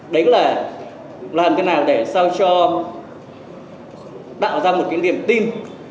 đấy là làm thế nào để sao cho tạo ra một cái niềm tin